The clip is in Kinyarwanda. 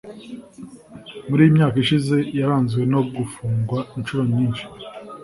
muri iyi myaka ishize yaranzwe no gufungwa inshuro nyinshi